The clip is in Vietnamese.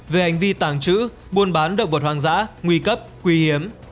về hành vi tàng trữ buôn bán động vật hoang dã nguy cấp quý hiếm